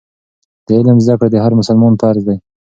د علم زده کړه د هر مسلمان فرض دی.